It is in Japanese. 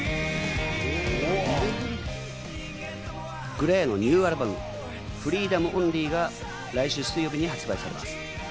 ＧＬＡＹのニューアルバム、『ＦＲＥＥＤＯＭＯＮＬＹ』が来週水曜日に発売されます。